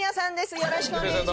よろしくお願いします。